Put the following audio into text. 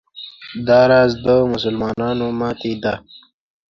دا راز د مسلمانانو ماتې ده.